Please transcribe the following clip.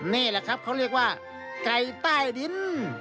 นี่แหละครับเขาเรียกว่าไก่ใต้ดิน